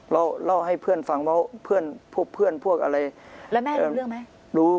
เล่าเล่าให้เพื่อนฟังว่าเพื่อนพวกเพื่อนพวกอะไรแล้วแม่รู้เรื่องไหมรู้